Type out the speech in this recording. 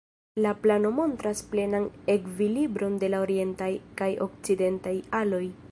La plano montras plenan ekvilibron de la orientaj kaj okcidentaj aloj.